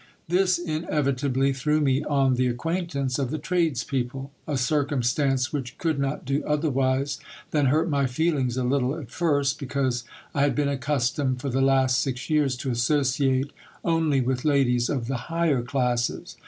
This inevitably threw me on the acquaintance of the tradespeople ; a circumstance which could not do otherwise than hurt my feelings a little at first, because I had teen accustomed, for the last six years, to associate only with ladies of the higher classes.